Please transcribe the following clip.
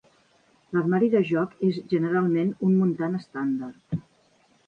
L'armari de jocs és generalment un muntant estàndard.